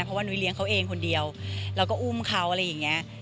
เพราะว่านุ้ยเลี้ยงเขาเองคนเดียวแล้วก็อุ้มเขาอะไรอย่างนี้